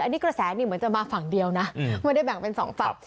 อันนี้กระแสนี่เหมือนจะมาฝั่งเดียวนะไม่ได้แบ่งเป็นสองฝั่ง